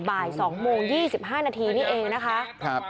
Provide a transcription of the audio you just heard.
บ่าย๒โมง๒๕นาทีนี่เองนะคะ